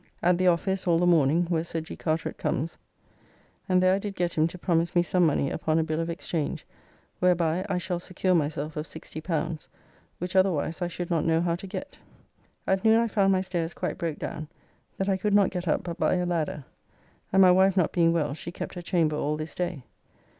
At the office all the morning, where Sir G. Carteret comes, and there I did get him to promise me some money upon a bill of exchange, whereby I shall secure myself of L60 which otherwise I should not know how to get. At noon I found my stairs quite broke down, that I could not get up but by a ladder; and my wife not being well she kept her chamber all this day.